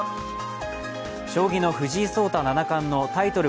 将棋の藤井聡太七冠のタイトル